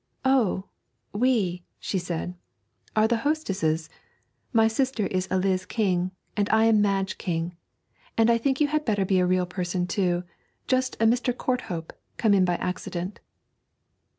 'Oh, we,' she said, 'are the hostesses. My sister is Eliz King and I am Madge King, and I think you had better be a real person too; just a Mr. Courthope, come in by accident.'